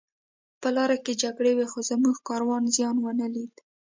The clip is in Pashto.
په لاره کې جګړې وې خو زموږ کاروان زیان ونه لید